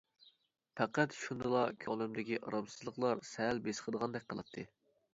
پەقەت شۇندىلا كۆڭلۈمدىكى ئارامسىزلىقلار سەل بېسىقىدىغاندەك قىلاتتى.